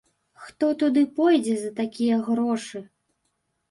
Хто туды пойдзе за такія грошы?